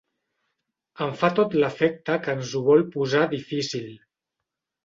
Em fa tot l'efecte que ens ho vol posar difícil.